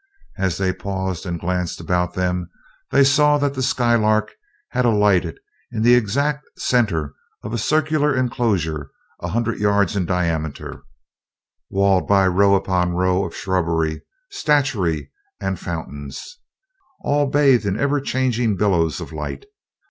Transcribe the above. As they paused and glanced about them, they saw that the Skylark had alighted in the exact center of a circular enclosure a hundred yards in diameter, walled by row upon row of shrubbery, statuary, and fountains, all bathed in ever changing billows of light.